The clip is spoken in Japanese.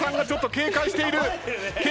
警戒しているあ！